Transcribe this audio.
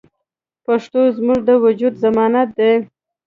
پښتو زموږ د وجود ضمانت دی.